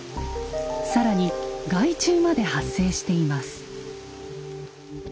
更に害虫まで発生しています。